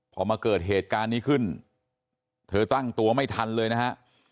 พอมาเกิดเหตุการณ์นี้ขึ้นเธอตั้งตัวไม่ทันเลยนะฮะ